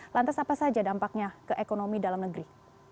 lantas apa saja dampaknya ke ekonomi dalam negeri